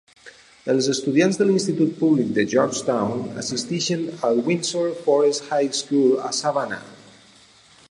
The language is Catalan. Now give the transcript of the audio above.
Els estudiants de l'institut públic de Georgetown assisteixen al Windsor Forest High School a Savannah.